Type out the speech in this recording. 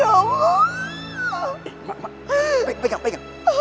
eh emang pegang pegang